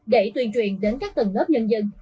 để tuyên truyền đến các tầng lớp nhân dân